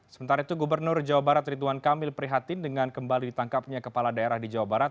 sementara itu gubernur jawa barat rituan kamil prihatin dengan kembali ditangkapnya kepala daerah di jawa barat